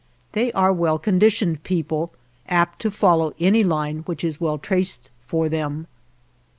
They are well conditioned people, apt to follow any line which is well traced for them.